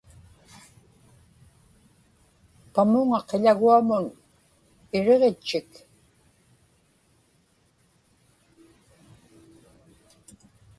pamuŋa qiḷaguamun iriġitchik